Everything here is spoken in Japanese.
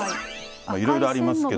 いろいろありますけど。